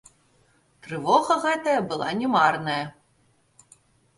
Трывога гэтая была не марная.